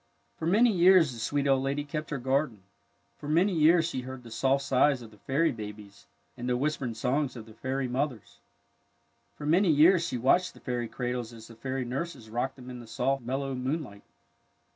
For many years the sweet old lady kept her garden. For many years she heard the soft sighs of the fairy babies and the w^hispering songs of the fairy mothers. For many years she watched the fairy cradles as the fairy nurses rocked them in the soft, mellow moon light.